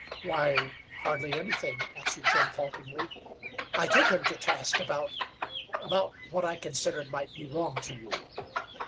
"Why, hardly anything," answered Jim, haltingly. "I took him to task about about what I considered might be wrong to you.